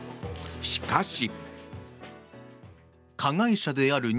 しかし。